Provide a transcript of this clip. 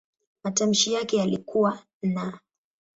Matamshi yake yalikuwa "n".